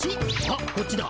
あっこっちだ。